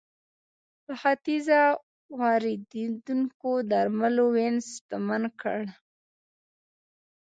له ختیځه واردېدونکو درملو وینز شتمن کړ.